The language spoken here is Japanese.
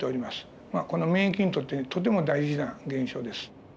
この免疫にとってとても大事な現象です。